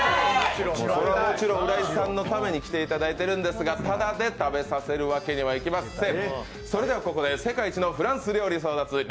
もちろん浦井さんのために来ていただいているんですが、ただで食べさせるわけにはいきません。